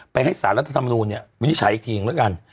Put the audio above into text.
ไปให้ศาลรัฐธรรมนูญเนี่ยวินิจฉัยอีกทีหนึ่งแล้วกัน